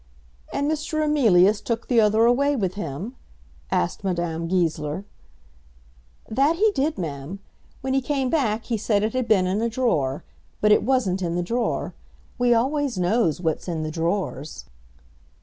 "And Mr. Emilius took the other away with him?" asked Madame Goesler. "That he did, Ma'am. When he came back he said it had been in a drawer, but it wasn't in the drawer. We always knows what's in the drawers."